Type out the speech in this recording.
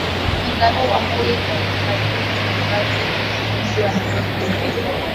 bi caro wambui kairuki ni mkazi wa mji wa nairobi nchini kenya